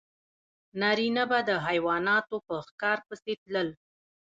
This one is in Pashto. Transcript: نارینه به د حیواناتو په ښکار پسې تلل.